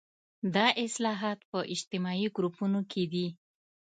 دا اصلاحات په اجتماعي ډګرونو کې دي.